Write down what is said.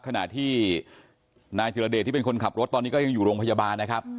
ขณะที่นายธิรเดชที่เป็นคนขับรถตอนนี้ก็ยังอยู่โรงพยาบาลนะครับ